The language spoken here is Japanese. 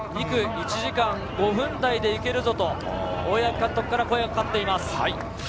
２区、１時間５分台でいけるぞと、大八木監督から声がかかっています。